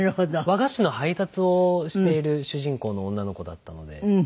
和菓子の配達をしている主人公の女の子だったので。